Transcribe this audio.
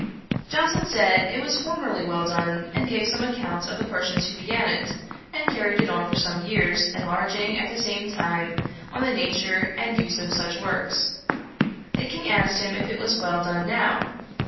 Johnson said, it was formerly very well done, and gave some account of the persons who began it, and carried it on for some years; enlarging, at the same time, on the nature and use of such works. The King asked him if it was well done now.